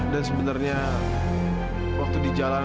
dan sebenarnya waktu di jalan